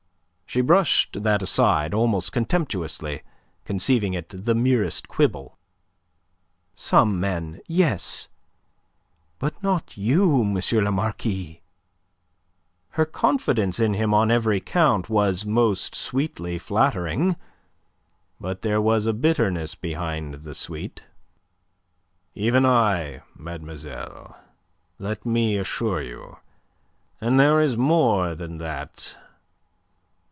She brushed that aside almost contemptuously, conceiving it the merest quibble. "Some men, yes. But not you, M. le Marquis." Her confidence in him on every count was most sweetly flattering. But there was a bitterness behind the sweet. "Even I, mademoiselle, let me assure you. And there is more than that.